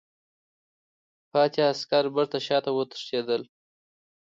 پاتې عسکر بېرته شاته وتښتېدل.